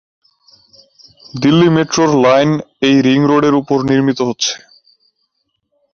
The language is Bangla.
দিল্লি মেট্রোর লাইন এই রিং রোডের উপর নির্মিত হচ্ছে।